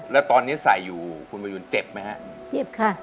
แล้วตอนนี้ใส่อยู่คุณประยูนเจ็บไหมฮะเจ็บค่ะ